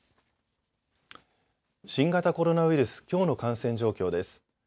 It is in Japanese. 新型コロナウイルス、きょうの感染状況です。